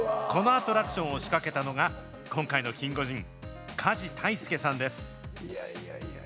このアトラクションを仕掛けたのが、今回のキンゴジン、加地太祐さんです。